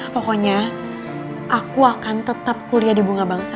pokoknya aku akan tetap kuliah di bunga bangsa